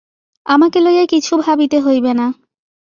আমাকে লইয়া কিছু ভাবিতে হইবে না।